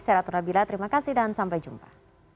saya ratu nabila terima kasih dan sampai jumpa